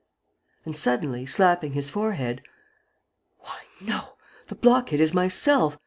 And, suddenly, slapping his forehead, "Why, no, the blockhead is myself.